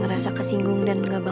roman ke siapa ya